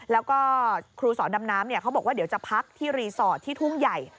แล้วก็ครูสอนดำน้ำเขาบอกว่าเดี๋ยวจะพักที่รีสอร์ทที่ทุ่งใหญ่